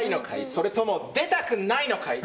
それとも出たくないのかい？